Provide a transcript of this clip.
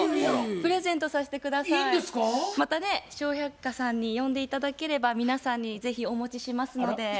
またね「笑百科」さんに呼んで頂ければ皆さんに是非お持ちしますので。